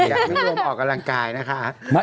อยากให้รวมออกกำลังกายนะคะ